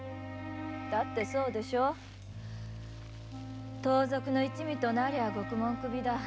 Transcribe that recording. だってそうでしょ盗賊の一味となりゃ獄門首だ。